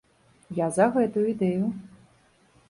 Я за гэтую ідэю.